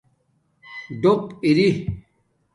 ڈݸق اری